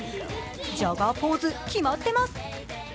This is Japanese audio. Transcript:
ジャガーポーズ、決まってます。